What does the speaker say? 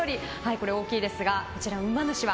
これ大きいですが、うま主は？